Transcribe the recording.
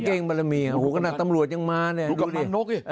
ก็เกรงบารมีโหกำลังตำรวจยังมาเนี่ย